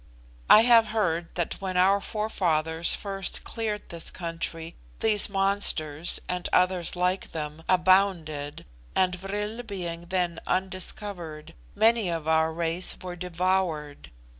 I have heard that when our forefathers first cleared this country, these monsters, and others like them, abounded, and, vril being then undiscovered, many of our race were devoured.